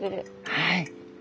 はい。